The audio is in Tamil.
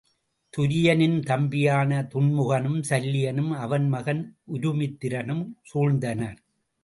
துரியனின் தம்பியான துன்முகனும் சல்லியனும் அவன் மகன் உருமித்திரனும் சூழ்ந்தனர்.